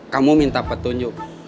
kamu minta petunjuk